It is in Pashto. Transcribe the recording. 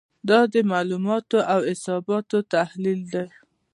دا د معلوماتو او حساباتو تحلیل دی.